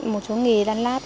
một số nghề đan lát